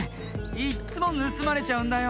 いっつもぬすまれちゃうんだよ。